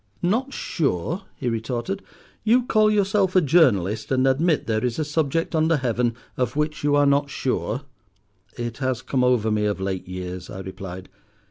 "Not sure," he retorted; "you call yourself a journalist, and admit there is a subject under Heaven of which you are not sure!" "It has come over me of late years," I replied.